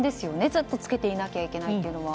ずっと着けていなきゃいけないというのは。